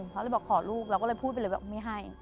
เขาเลยบอกขอลูกเราก็เลยพูดไปเลยว่าไม่ให้